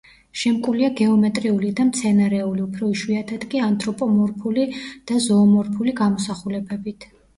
შემკულია გეომეტრიული და მცენარეული, უფრო იშვიათად კი ანთროპომორფული და ზოომორფული გამოსახულებებით.